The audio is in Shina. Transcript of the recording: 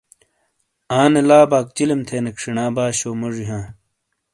آنے لا باک چلم تھینیک شینا باشو موجی ہاں۔